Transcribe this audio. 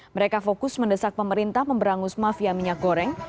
mereka fokus mendesak pemerintah memberangus mafia minyak goreng